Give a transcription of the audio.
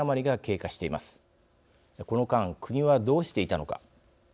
この間国はどうしていたのか。